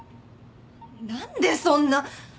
何でそんな。